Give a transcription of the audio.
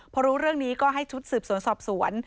พอรู้เรื่องนี้ก็ให้ชุดสืบสวนสอบสวน